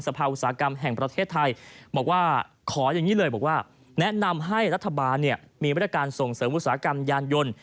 สภาวุตสาหกรรมแห่งประเทศไทยขอแนะนำให้รัฐบาลมีวิธีส่งเสริมอุตสาหกรรมยานยนต์